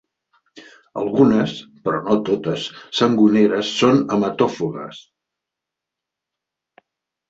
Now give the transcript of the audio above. Algunes, però no totes, sangoneres són hematòfagues.